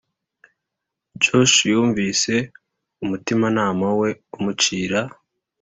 Josh yumvise umutimanama we umucira